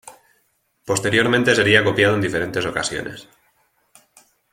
Posteriormente sería copiado en diferentes ocasiones.